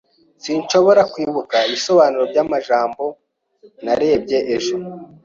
Sinshobora kwibuka ibisobanuro by'ijambo narebye ejo.